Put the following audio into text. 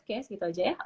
oke segitu aja ya